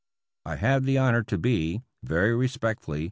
I have the honor to be, Very respectfully.